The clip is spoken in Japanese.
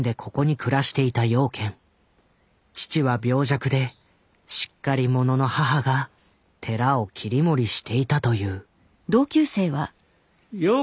父は病弱でしっかり者の母が寺を切り盛りしていたという。